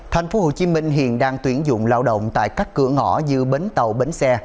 thành phố hồ chí minh hiện đang tuyển dụng lao động tại các cửa ngõ như bến tàu bến xe